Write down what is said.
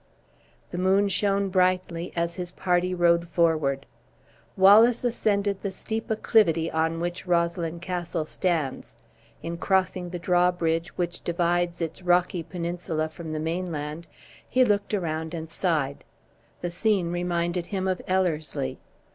The moon shone brightly as his party rode forward. Wallace ascended the steep acclivity on which Roslyn Castle stands. In crossing the drawbridge which divides its rocky peninsula from the main land, he looked around and sighed. The scene reminded him of Ellerslie.